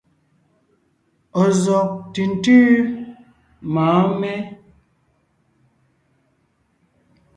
Ɔ̀ zɔ́g ntʉ̀ntʉ́ mɔ̌ɔn mé?